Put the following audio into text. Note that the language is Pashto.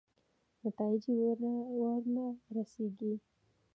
نتایجې ورنه رسېږي.